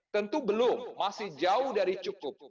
tentu belum masih jauh dari cukup